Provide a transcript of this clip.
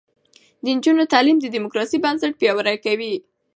د نجونو تعلیم د دیموکراسۍ بنسټ پیاوړی کوي.